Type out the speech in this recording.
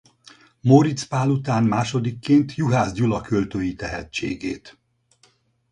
Móricz Pál után másodikként Juhász Gyula költői tehetségét.